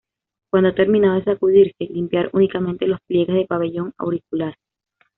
Cuando ha terminado de sacudirse limpiar únicamente los pliegues del pabellón auricular.